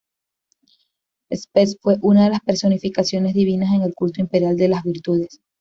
Spes fue una de las personificaciones divinas en el culto imperial de las Virtudes.